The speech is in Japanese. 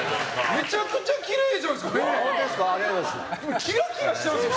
めちゃくちゃきれいじゃないですか！